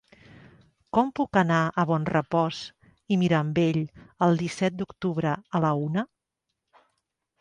Com puc anar a Bonrepòs i Mirambell el disset d'octubre a la una?